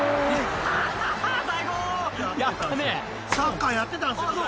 ［サッカーやってたんすよ昔］